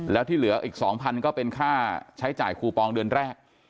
แล้วที่เหลืออีก๒๐๐ก็เป็นค่าใช้จ่ายคูปองเดือนแรก